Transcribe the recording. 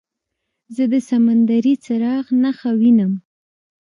زه د سمندري څراغ نښه وینم.